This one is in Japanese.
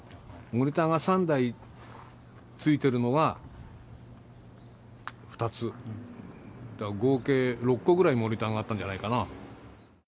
モニターが３台ついてるのは、２つ、だから合計６個ぐらいモニターがあったんじゃないかな。